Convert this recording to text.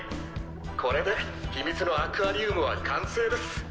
これで秘密のアクアリウムは完成です！